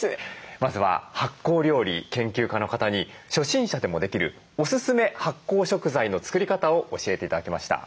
まずは発酵料理研究家の方に初心者でもできるおすすめ発酵食材の作り方を教えて頂きました。